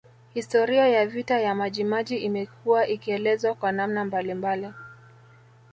Historia ya vita ya Majimaji imekuwa ikielezwa kwa namna mbalimbali